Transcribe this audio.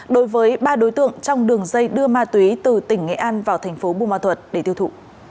đối với ba đối tượng trong đường dây đưa ma túy từ tỉnh nghệ an vào tp bùn ma thuật để tiêu thụ